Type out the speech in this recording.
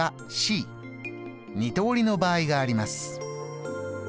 ２通りの場合があります。